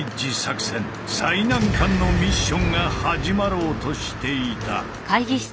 最難関のミッションが始まろうとしていた。